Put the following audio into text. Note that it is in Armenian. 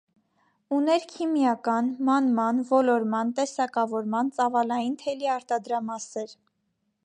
Ուներ քիմիական, մանման, ոլորման, տեսակավորման, ծավալային թելի արտադրամասեր։